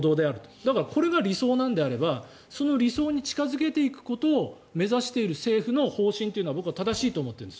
だから、これが理想なのであればその理想に近付けていくことを目指している政府の方針は僕は正しいんだと思うんです。